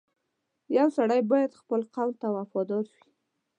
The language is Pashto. • یو سړی باید خپل قول ته وفادار وي.